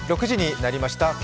６時になりました。